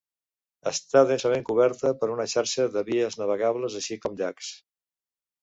Està densament coberta per una xarxa de vies navegables, així com llacs.